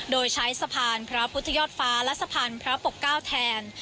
โดยใช้สะพานพระพุทธยอดฟ้าและสะพานพระปกเก้าแทน